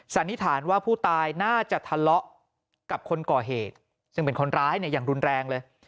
สันนิษฐานว่าผู้ตายน่าจะทะเลาะกับคนก่อเหตุซึ่งเป็นคนร้ายเนี่ยอย่างรุนแรงเลย